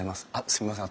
すみません